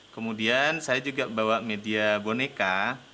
kemudian saya juga bawa media boneka